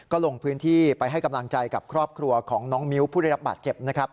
ก็ลงพื้นที่ไปให้กำลังใจกับครอบครัวของน้องมิ้วผู้ได้รับบาดเจ็บนะครับ